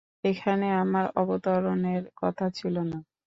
এখানে আমার অবতরণের কথা ছিল না।